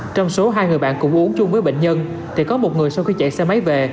trong số hai người bạn cùng uống chung với bệnh nhân thì có một người sau khi chạy xe máy về